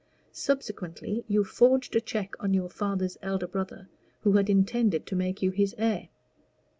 Subsequently you forged a check on your father's elder brother, who had intended to make you his heir."